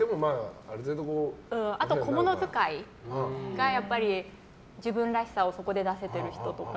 あと、小物使いがやっぱり自分らしさをそこで出せている人とか。